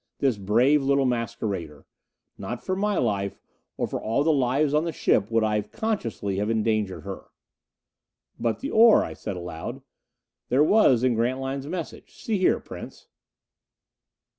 This brave little masquerader! Not for my life, or for all the lives on the ship, would I consciously have endangered her. "But the ore," I said aloud. "There was, in Grantline's message See here, Prince."